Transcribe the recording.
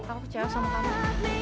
aku menyesal kita putus